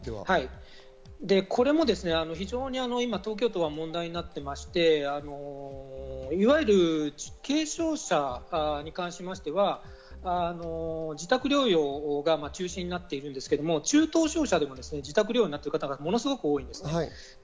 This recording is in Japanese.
これも非常に東京都は今問題になっていまして、いわゆる軽症者に関しましては、自宅療養が中心になっているんですけど、中等症者でも自宅療養者になっている方がものすごく多いです。